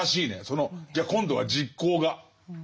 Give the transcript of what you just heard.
そのじゃあ今度は実行が。